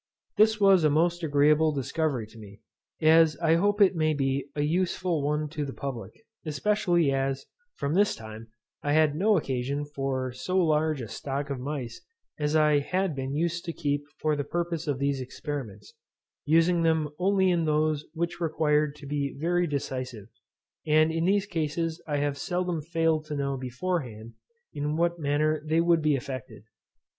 This was a most agreeable discovery to me, as I hope it may be an useful one to the public; especially as, from this time, I had no occasion for so large a stock of mice as I had been used to keep for the purpose of these experiments, using them only in those which required to be very decisive; and in these cases I have seldom failed to know beforehand in what manner they would be affected.